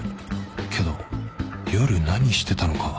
けど夜何してたのかは